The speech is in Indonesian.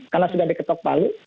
karena sudah diketok balik